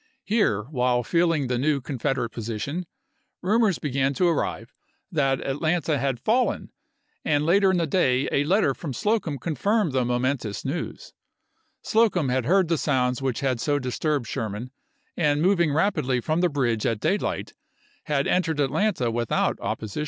Here, while feeling the new Confederate position, rumors began to arrive that Atlanta had fallen, and later in the day a letter from Slocum confirmed the momentous news. Slocum had heard the sounds which had so disturbed Sherman, and moving rapidly from the bridge at daylight had entered Atlanta without opposition GENERAL JOHN A. LOGAN.